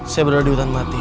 saya berada di hutan mati